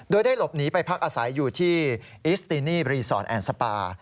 โดยได้หลบหนีไปพักอาศัยอยู่ที่อิสตินีรีสอร์ทแอนดสปา